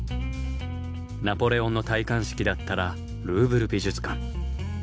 「ナポレオンの戴冠式」だったらルーヴル美術館。